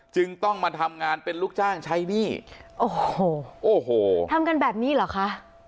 จึงต้องมาทำงานเป็นลูกจ้างใช้หนี้โอ้โหโอ้โหทำกันแบบนี้เหรอคะ